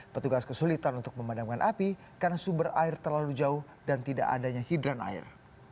petugas kesulitan untuk memadamkan api karena sumber air terlalu jauh dan tidak adanya hidran air